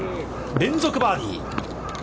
連続バーディー！